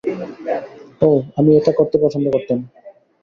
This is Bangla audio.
ওহ, আমি এটা করতে পছন্দ করতাম।